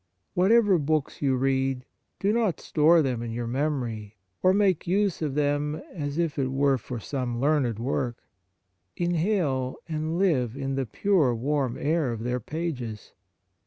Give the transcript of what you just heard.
Whatever books you read, do not store them in your memory or make On the Exercises of Piety use of them as if it were for some learned work. Inhale and live in the pure warm air of their pages.